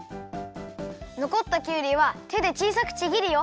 のこったきゅうりはてでちいさくちぎるよ。